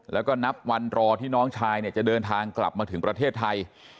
แล้วก็นับวันรอที่น้องชายเนี่ยจะเดินทางกลับมาถึงประเทศไทย